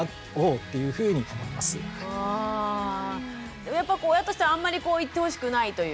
でもやっぱり親としてはあんまり言ってほしくないというか。